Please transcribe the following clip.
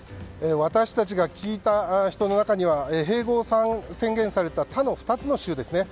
私たちが聞いた人の中には併合を宣言された他の２つの州ですね。